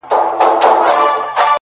اوس يې څنگه ښه له ياده وباسم _